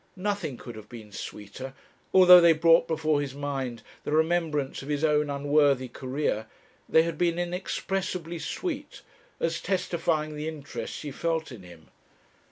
Nothing could have been sweeter; although they brought before his mind the remembrance of his own unworthy career, they had been inexpressibly sweet, as testifying the interest she felt in him.